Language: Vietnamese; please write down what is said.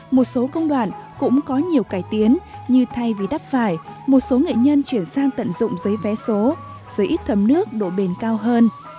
một số công đoạn cũng có nhiều cải tiến như thay vì đắp phải một số nghệ nhân chuyển sang tận dụng giấy vé số giấy ít thấm nước độ bền cao hơn